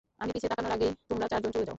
আমি পিছে তাকানোর আগেই তোমরা চারজন চলে যাও।